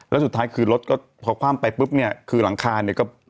แล้วสุดท้ายคือก็เข้าเข้าไปปุ๊บคือหลังคางนี้